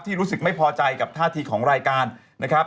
รู้สึกไม่พอใจกับท่าทีของรายการนะครับ